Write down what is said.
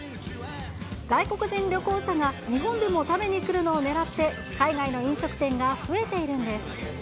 外国人旅行者が日本でも食べに来るのをねらって、海外の飲食店が増えているんです。